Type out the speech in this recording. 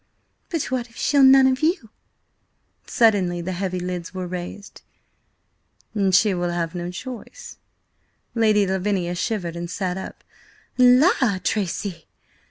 "But what if she'll none of you?" Suddenly the heavy lids were raised. "She will have no choice." Lady Lavinia shivered and sat up. "La, Tracy!